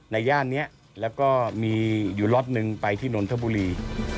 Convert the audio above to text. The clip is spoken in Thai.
ย่านนี้แล้วก็มีอยู่ล็อตหนึ่งไปที่นนทบุรี